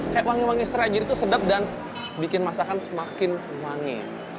kayak wangi wangi serai jadi tuh sedap dan bikin masakan semakin wangi